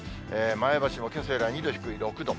前橋もけさより２度低い６度。